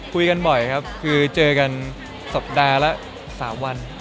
คุยกันบ่อยครับคือเจอกันสัปดาห์ละ๓วัน